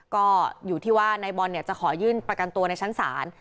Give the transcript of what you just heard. ก็อยู่ที่ว่านายบอลจะขอยื่นประกันตัวในชั้นศาล